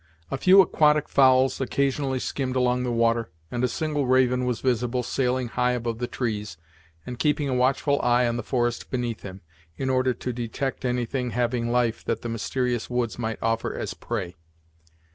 A few aquatic fowls occasionally skimmed along the water, and a single raven was visible, sailing high above the trees, and keeping a watchful eye on the forest beneath him, in order to detect anything having life that the mysterious woods might offer as prey.